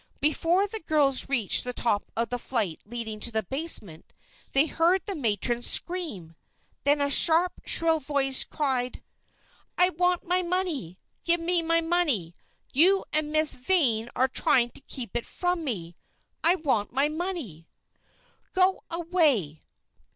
Before the girls reached the top of the flight leading to the basement they heard the matron scream. Then a sharp, shrill voice cried: "I want my money! Give me my money! You and Miss Vane are trying to keep it from me. I want my money!" "Go away!